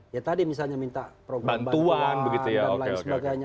ya tadi misalnya minta program bantuan dan lain sebagainya